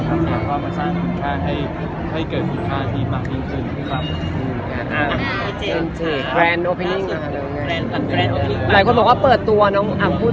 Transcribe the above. เพราะว่ามันสร้างค่าให้เกิดสินค้าที่มากยิ่งขึ้นครับ